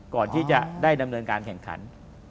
ก่อนที่จะได้ดำเนินการแข่งขัน